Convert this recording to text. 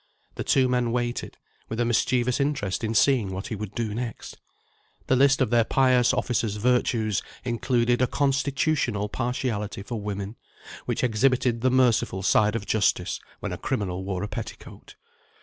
The two men waited, with a mischievous interest in seeing what he would do next. The list of their pious officer's virtues included a constitutional partiality for women, which exhibited the merciful side of justice when a criminal wore a petticoat.